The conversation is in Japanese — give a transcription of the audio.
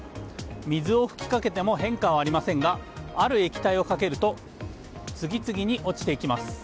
水を吹きかけても変化はありませんがある液体をかけると次々に落ちていきます。